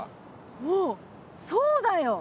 おそうだよ！